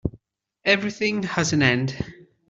Everything has an end.